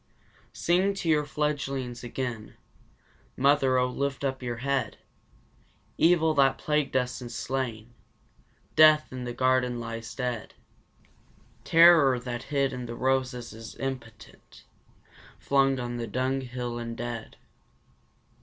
Sing to your fledglings again, Mother, oh lift up your head! Evil that plagued us is slain, Death in the garden lies dead. Terror that hid in the roses is impotent flung on the dung hill and dead!